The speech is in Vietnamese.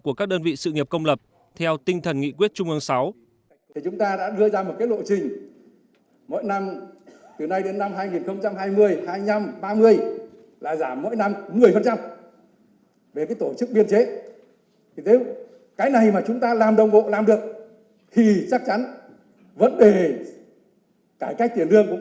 của các đơn vị sự nghiệp công lập theo tinh thần nghị quyết trung ương sáu